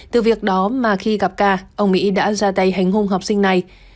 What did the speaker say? từ việc đó mà khi gặp ca ông mỹ đã ra tay hành hung học sinh này